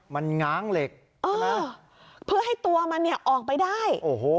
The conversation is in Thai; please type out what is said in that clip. มันง้างเหล็กเพื่อให้ตัวมันเนี่ยออกไปได้โอ้โห